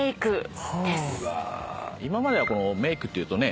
今まではメイクっていうとね